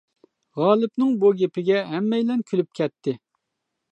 -غالىپنىڭ بۇ گېپىگە ھەممەيلەن كۈلۈپ كەتتى.